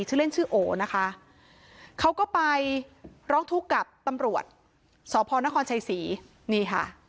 ชื่อเล่นชื่อโอนะคะเขาก็ไปร้องทุกข์กับตำรวจสพนครชัยศรีนี่ค่ะ